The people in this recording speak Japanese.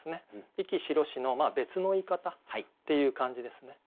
「息白し」の別の言い方っていう感じですね。